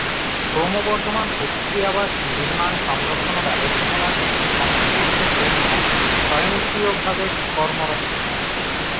ক্রমবর্ধমান অতিথি-আবাস নির্মাণ, সংরক্ষণ ও ব্যবস্থাপনার জন্যে সংশ্লিষ্ট কর্মীরা সক্রিয়ভাবে কর্মরত থাকে।